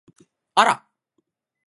あら！